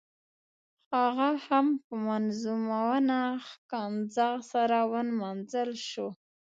هغه هم په منظمونه ښکنځا سره ونمانځل شو.